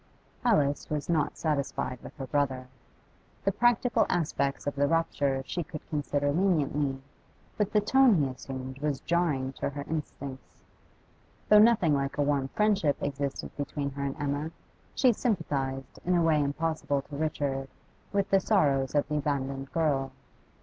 Alice was not satisfied with her brother. The practical aspects of the rupture she could consider leniently, but the tone he assumed was jarring to her instincts. Though nothing like a warm friendship existed between her and Emma, she sympathised, in a way impossible to Richard, with the sorrows of the abandoned girl.